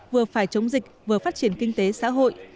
vừa phải chống dịch vừa phát triển kinh tế xã hội